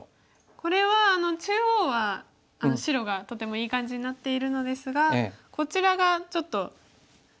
これは中央は白がとてもいい感じになっているのですがこちらがちょっと地には。